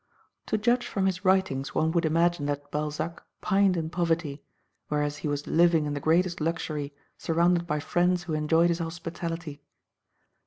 To judge from his writings one would imagine that Balzac pined in poverty; whereas he was living in the greatest luxury, surrounded by friends who enjoyed his hospitality.